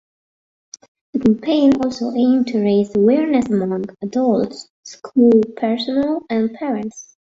The campaign also aimed to raise awareness among adults, school personnel, and parents.